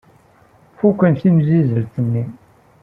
Fuken timsizzelt-nni.